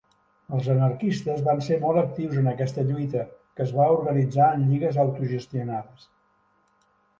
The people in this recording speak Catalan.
Els anarquistes van ser molt actius en aquesta lluita, que es va organitzar en lligues autogestionades.